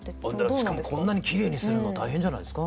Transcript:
しかもこんなにきれいにするの大変じゃないですか？